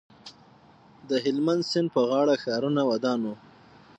د هلمند سیند په غاړه ښارونه ودان وو